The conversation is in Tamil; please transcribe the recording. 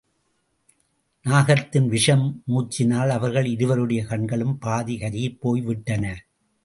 நாகத்தின் விஷ மூச்சினால் அவர்கள் இருவருடைய கண்களும் பாதி கருகிப் போய்விட்டன.